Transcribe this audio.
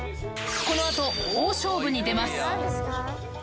このあと、大勝負に出ます。